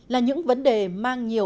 là những vấn đề mang nhiệm vụ